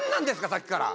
さっきから。